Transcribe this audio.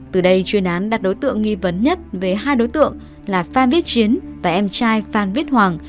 từ đây chuyên án đặt đối tượng nghi vấn nhất về hai đối tượng là phan viết chiến và em trai phan viết hoàng